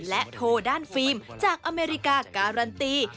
และโทด้านฟิล์มจากอเมริกาการันตี